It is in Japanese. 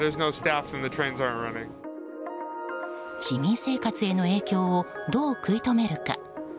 市民生活への影響をどう食い止めるか。